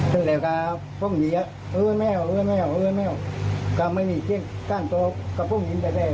ฮ่ารู้สึกว่าหนอนดูแลนะ